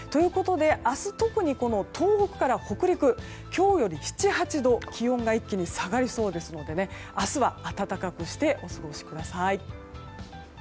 明日、特に東北から北陸は今日より７８度気温が一気に下がりそうですので明日は暖かくしてお過ごしください。